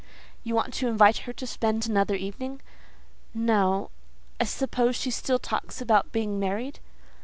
"You want to invite her to spend another evening?" "No… I suppose she still talks about being married?"